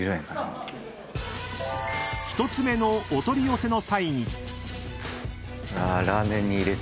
［１つ目のお取り寄せの際に］